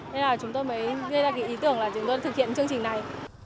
nên chúng tôi mới gây ra ý tưởng là chúng tôi thực hiện chương trình này